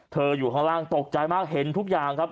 อยู่ข้างล่างตกใจมากเห็นทุกอย่างครับ